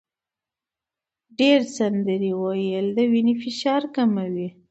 ډېر سندرې ویل د وینې فشار کموي.